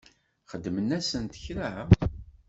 Xedmen-asent kra?